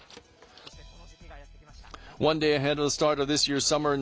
そしてこの時期がやってきました。